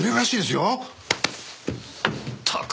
ったく。